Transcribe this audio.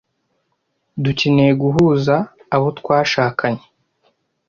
dukeneye guhuza abo twashakanye